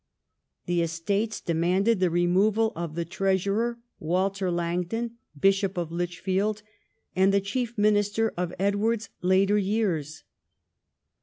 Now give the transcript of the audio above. The estates demanded the removal of the treasurer Walter Langton, Bishop of Lichfield, and the chief minister of Edward's later years.